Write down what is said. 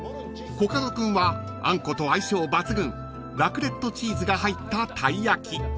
［コカド君はあんこと相性抜群ラクレットチーズが入ったたい焼き］